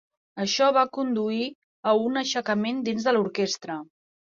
Això va conduir a un aixecament dins de l'orquestra.